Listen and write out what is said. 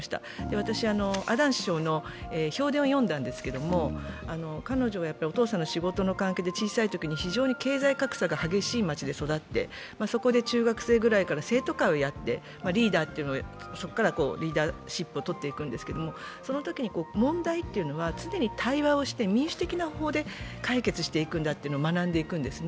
私、アーダーン首相の評伝を読んだんですけれども、彼女はお父さんの仕事の関係で、経済格差の激しい街で育ってそこで中学生ぐらいから生徒会をやってそこからリーダーシップをとっていくんですけども、そのときに問題というのは常に対話をして民主的な方法で解決していくんだというのを学んでいくんですね。